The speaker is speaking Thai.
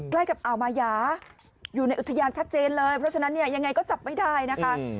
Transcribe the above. ใกล้กับอ่าวมายาอยู่ในอุทยานชัดเจนเลยเพราะฉะนั้นเนี่ยยังไงก็จับไม่ได้นะคะ